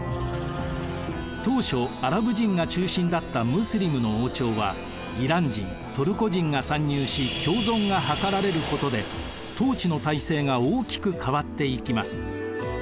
当初アラブ人が中心だったムスリムの王朝はイラン人・トルコ人が参入し共存が図られることで統治の体制が大きく変わっていきます。